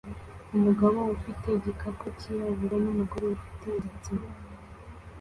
Umugabo ufite igikapu cyirabura numugore ufite umusats